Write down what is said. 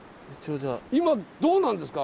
今どうなんですか？